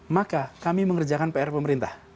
maka kami mengerjakan pr pemerintah